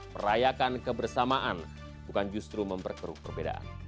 merayakan kebersamaan bukan justru memperkeruk perbedaan